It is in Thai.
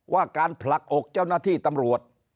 ว่าการผลักอกเจ้าหน้าที่ตำรวจ